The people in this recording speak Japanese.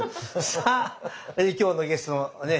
さあ今日のゲストのね